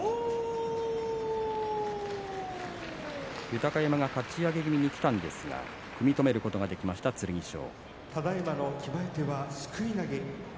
豊山がかち上げ気味にきたんですが組み止めることができました剣翔。